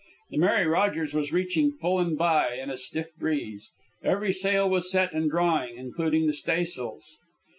The Mary Rogers was reaching full and by, in a stiff breeze. Every sail was set and drawing, including the staysails.